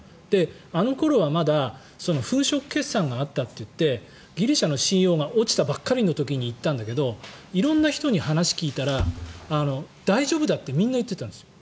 あの頃は、まだ粉飾決算があったということでギリシャの信用が落ちたばかりの時に行ったんだけど色んな人に話を聞いたら大丈夫だってみんな言ってたんです。